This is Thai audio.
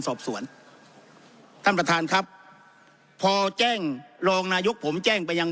สอบสวนท่านประธานครับพอแจ้งรองนายกผมแจ้งไปยัง